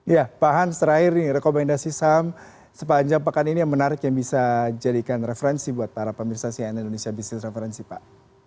ya pak hans terakhir ini rekomendasi saham sepanjang pekan ini yang menarik yang bisa jadikan referensi buat para pemirsa cnn indonesia business referensi pak